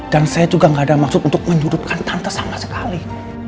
dan saya juga gak ada maksud untuk menyudutkan tante sama sekali